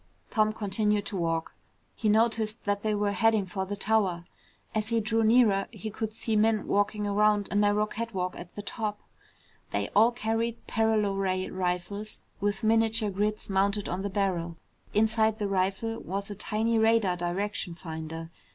Tom continued to walk. He noticed that they were heading for the tower. As he drew nearer, he could see men walking around a narrow catwalk at the top. They all carried paralo ray rifles with miniature grids mounted on the barrel. Inside the rifle was a tiny radar direction finder.